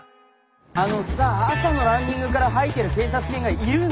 あのさ朝のランニングから吐いてる警察犬がいるの？